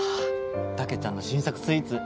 竹ちゃんの新作スイーツ。